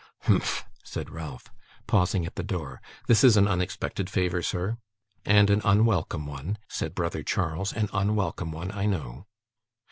'Humph!' said Ralph, pausing at the door. 'This is an unexpected favour, sir.' 'And an unwelcome one,' said brother Charles; 'an unwelcome one, I know.